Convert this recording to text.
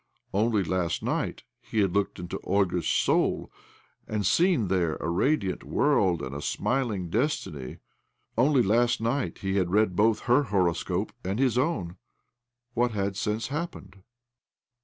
Only last night he had looked into Olga's soul, and seen there a radiant world and a smiling destiny ; only OBLOMOV 185 last night he had read bbth her horoscope and his own, What had since happened?